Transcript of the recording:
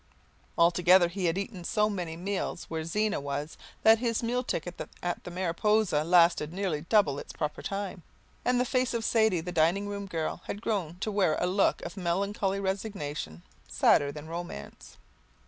Altogether he had eaten so many meals where Zena was that his meal ticket at the Mariposa lasted nearly double its proper time, and the face of Sadie, the dining room girl, had grown to wear a look of melancholy resignation; sadder than romance.